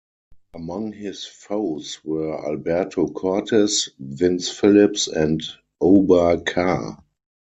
Among his foes were Alberto Cortes, Vince Phillips, and Oba Carr.